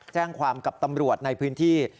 แจ้งความกับตำรวจในพื้นที่